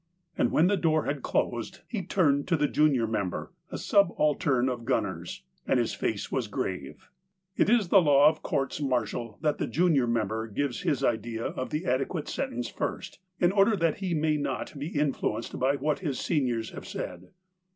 And when the door had closed, he turned to the junior member — a subaltern of gunners — and his face was grave. It is the law of courts martial that the junior member gives his idea of the adequate sentence first, in order that he may not be influenced by what his seniors have said.